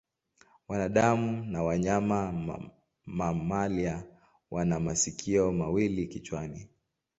Wanadamu na wanyama mamalia wana masikio mawili kichwani.